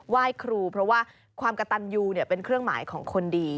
ไหว้ครูเพราะว่าความกระตันยูเป็นเครื่องหมายของคนดี